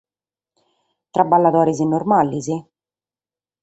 Traballadores normales?